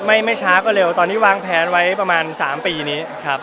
ไม่ไม่ช้าก็เร็วตอนนี้วางแผนไว้ประมาณ๓ปีนี้ครับ